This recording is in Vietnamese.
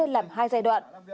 làm hai giai đoạn